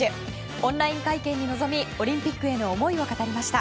オンライン会見に臨みオリンピックへの思いを語りました。